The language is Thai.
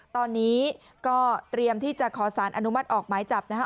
ตอนนี้ก็เตรียมที่จะขอสารอนุมัติออกหมายจับนะคะ